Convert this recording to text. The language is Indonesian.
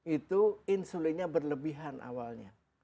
itu insulinnya berlebihan awalnya